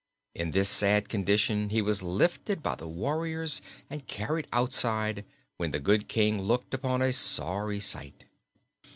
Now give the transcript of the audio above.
In this sad condition he was lifted by the warriors and carried outside, when the good King looked upon a sorry sight.